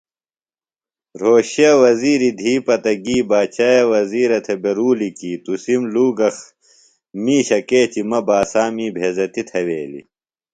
رھوشے وزِیری دھی پتہ گی باچاے وزِیرہ تھےۡ بےۡ رُولیۡ کیۡ تُسِم لُوگہ مِیشہ کیچیۡ مہ باسا می بھیزتیۡ تھویلیۡ